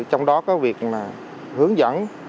trong đó có việc hướng dẫn